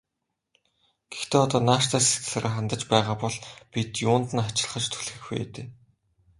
Гэхдээ одоо нааштай сэтгэлээр хандаж байгаа бол бид юунд нь хачирхаж түлхэх вэ дээ.